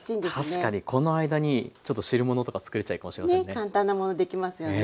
確かにこの間にちょっと汁物とかつくれちゃうかもしれませんね。